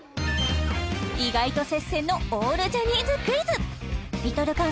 意外と接戦のオールジャニーズクイズＬｉｌかん